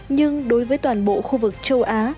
nhưng đối với toàn bộ khu vực châu á